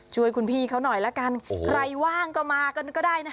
ช่วยคุณพี่เขาหน่อยละกันใครว่างก็มากันก็ได้นะคะ